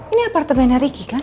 ini apartemennya riki kan